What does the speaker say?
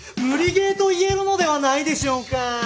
無理ゲーと言えるのではないでしょうか！